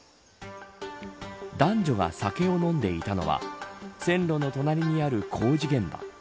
男女が酒を飲んでいたのは線路の隣りにある工事現場。